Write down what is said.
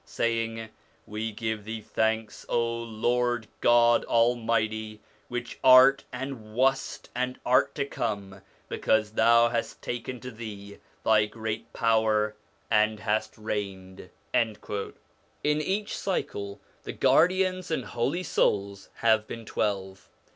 ' Saying, We give Thee thanks, O Lord God Almighty, which art, and wast, and art to come, because Thou hast taken to Thee Thy great power, and hast reigned.' In each cycle the guardians and holy souls have been twelve.